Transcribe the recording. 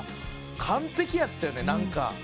完璧やったよねなんか。